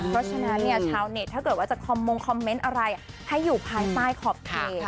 เพราะฉะนั้นเนี่ยชาวเนทถ้าเกิดก็จะขอมงว์คอมเม้นท์อะไรให้อยู่ภายใส่คอปเคท